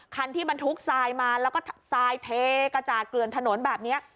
การที่บรรทุกซายมาแล้วก็ซายมุดเครื่องทะโนนแบบนี้